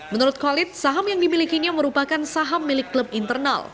menurut khalid saham yang dimilikinya merupakan saham milik klub internal